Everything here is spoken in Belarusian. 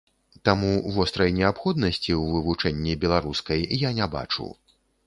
Таму вострай неабходнасці ў вывучэнні беларускай я не бачу.